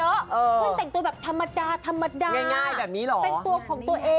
เออเพื่อนแต่งตัวแบบธรรมดาธรรมดาเป็นตัวของตัวเองง่ายแบบนี้หรอ